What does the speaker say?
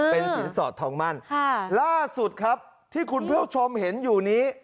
เป็นสินสอดทองมั่นล่าสุดครับที่คุณผู้ชมเห็นอยู่นี้